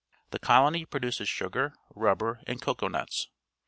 The colony produces sugar, rubber, and cocoa nuts.